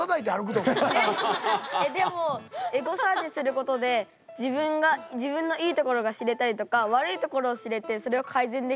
でもエゴサーチすることで自分のいいところが知れたりとか悪いところを知れてそれを改善できたりとかする。